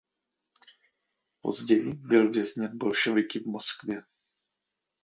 Později byl vězněn bolševiky v Moskvě.